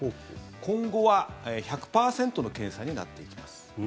今後は１００％の検査になっていきます。